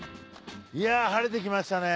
いや晴れてきましたね。